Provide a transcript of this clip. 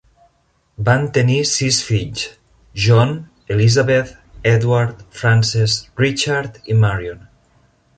Van tenir sis fills: John, Elizabeth, Edward, Frances, Richard i Marion.